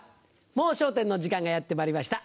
『もう笑点』の時間がやってまいりました。